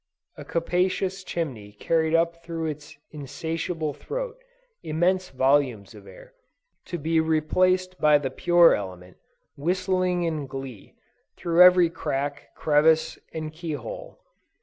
A capacious chimney carried up through its insatiable throat, immense volumes of air, to be replaced by the pure element, whistling in glee, through every crack, crevice and keyhole.